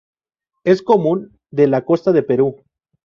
Es común de la costa del Perú.